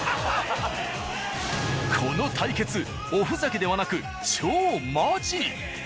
この対決おふざけではなく超マジ！